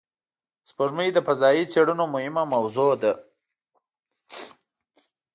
سپوږمۍ د فضایي څېړنو مهمه موضوع ده